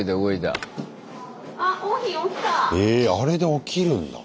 あれで起きるんだ。